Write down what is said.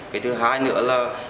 cái thứ hai nữa là